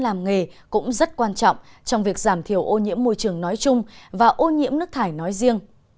làm nghề cũng rất quan trọng trong việc giảm thiểu ô nhiễm môi trường nói chung và ô nhiễm nước thải nói riêng